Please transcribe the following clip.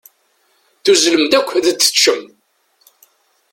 Tuzzlem-d akk ad teččem.